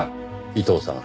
伊藤さん